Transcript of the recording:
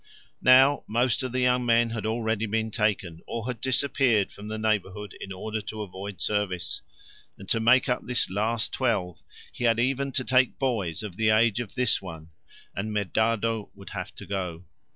Now most of the young men had already been taken, or had disappeared from the neighbourhood in order to avoid service, and to make up this last twelve he had even to take boys of the age of this one, and Medardo would have to go.